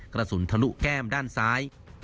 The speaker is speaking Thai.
กระสุนทะลุแก้มด้านซ้าย